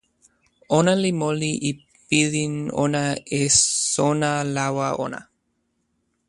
ona li moli e pilin ona e sona lawa ona.